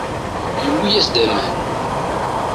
Tewwi-as-d aman.